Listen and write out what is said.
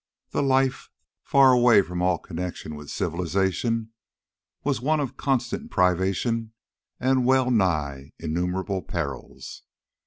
The life, far away from all connection with civilization, was one of constant privation and well nigh innumerable perils.